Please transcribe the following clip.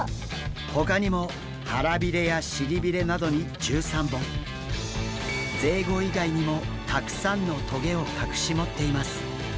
ほかにも腹びれや尻びれなどに１３本ぜいご以外にもたくさんの棘を隠し持っています。